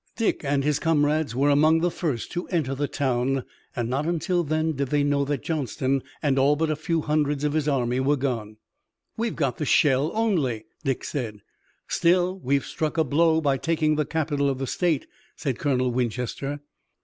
Dick and his comrades were among the first to enter the town, and not until then did they know that Johnston and all but a few hundreds of his army were gone. "We've got the shell only," Dick said. "Still we've struck a blow by taking the capital of the state," said Colonel Winchester.